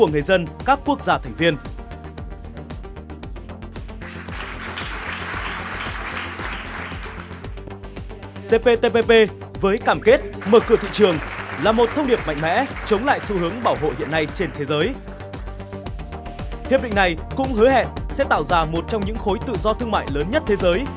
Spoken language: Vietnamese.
hiệp định này cũng hứa hẹn sẽ tạo ra một trong những khối tự do thương mại lớn nhất thế giới